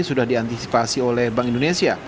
sudah diantisipasi oleh bank indonesia